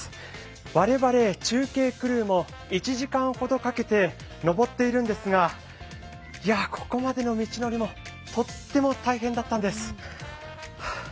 我々、中継クルーも１時間ほどかけて、登っているんですがここまでの道のりもとっても大変だったんです。